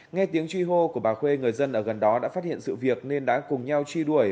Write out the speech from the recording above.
nghe tiếng truy hô của bà khuê người dân ở gần đó đã phát hiện sự việc nên đã cùng nhau truy đuổi